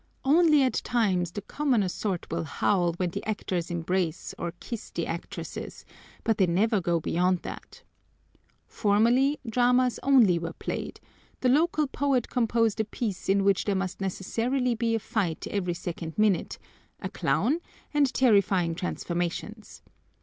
Only at times the commoner sort will howl when the actors embrace or kiss the actresses, but they never go beyond that. Formerly, dramas only were played; the local poet composed a piece in which there must necessarily be a fight every second minute, a clown, and terrifying transformations.